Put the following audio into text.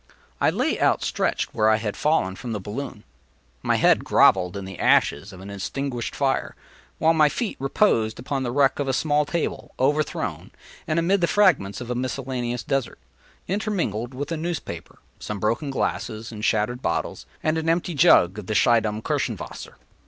I lay outstretched where I had fallen from the balloon. My head grovelled in the ashes of an extinguished fire, while my feet reposed upon the wreck of a small table, overthrown, and amid the fragments of a miscellaneous dessert, intermingled with a newspaper, some broken glass and shattered bottles, and an empty jug of the Schiedam Kirschenwasser.